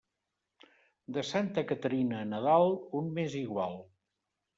De santa Caterina a Nadal, un mes igual.